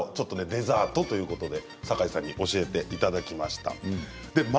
デザートということでサカイさんに教えていただきました。